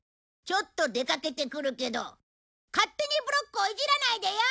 ちょっと出かけてくるけど勝手にブロックをイジらないでよ！